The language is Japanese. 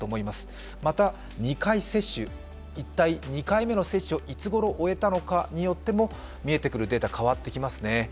また２回接種、一体、２回目の接種をいつごろ終えたのかによっても見えてくるデータは変わってきますね。